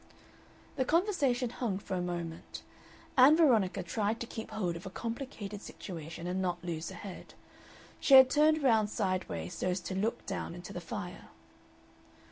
The conversation hung for a moment. Ann Veronica tried to keep hold of a complicated situation and not lose her head. She had turned round sideways, so as to look down into the fire.